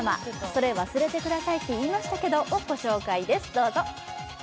「それ忘れてくださいって言いましたけど」をご紹介です。